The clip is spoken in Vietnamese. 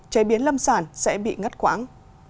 chế biến lâm sản sẽ bị ngất quãng